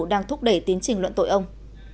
đang thúc đẩy tiến trình luận tội ông